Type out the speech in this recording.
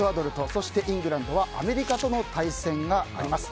そして、イングランドはアメリカとの対戦があります。